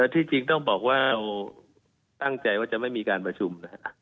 ที่จริงต้องบอกว่าเราตั้งใจว่าจะไม่มีการประชุมนะฮะ